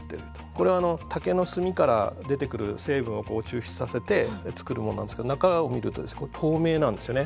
これは竹の炭から出てくる成分を抽出させて作るものなんですけど中を見るとこれ透明なんですよね。